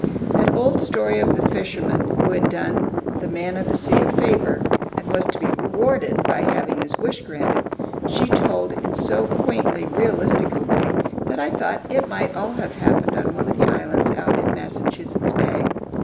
That old story of the fisherman who had done the "Man of the Sea" a favor, and was to be rewarded by having his wish granted, she told in so quaintly realistic a way that I thought it might all have happened on one of the islands out in Massachusetts Bay.